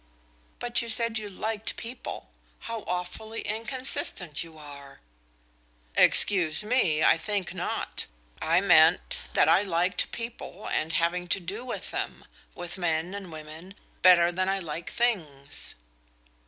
"But you said you liked people. How awfully inconsistent you are!" "Excuse me, I think not. I meant that I liked people and having to do with them with men and women better than I like things."